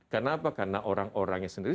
kenapa karena orang orangnya sendiri